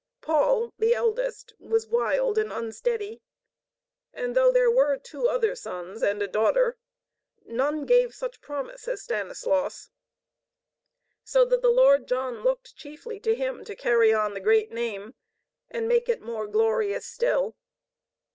Paul, the eldest, was wild and unsteady. And though there were two other sons and a daughter, none gave such promise as Stanislaus. So that the Lord John looked chiefly to him to carry on the great name and make it more glorious still.